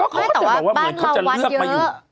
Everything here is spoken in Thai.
ไม่แต่ว่าบ้านเราวัดเยอะ